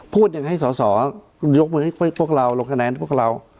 พูดอย่างให้สอสอคุณยกมือให้พวกเราลงคะแนนพวกเรา